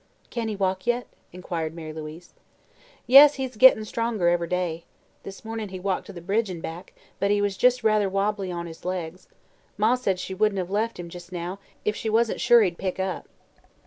"Can he walk yet?" inquired Mary Louise. "Yes, he's gett'n' stronger ev'ry day. This mornin' he walked to the bridge an' back, but he was ruther wobbly on his legs. Ma said she wouldn't have left him, just now, if she wasn't sure he'd pick up."